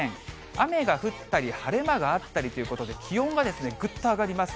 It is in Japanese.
雨が降ったり晴れ間があったりということで、気温がぐっと上がります。